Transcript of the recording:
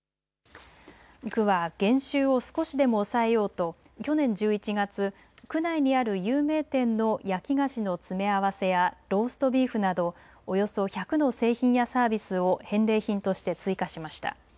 区は減収を少しでも抑えようと去年１１月、区内にある有名店の焼き菓子の詰め合わせやローストビーフなどおよそ１００の製品やサービスを返礼品として追加しました。